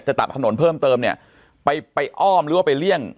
ตัดถนนเพิ่มเติมเนี่ยไปไปอ้อมหรือว่าไปเลี่ยง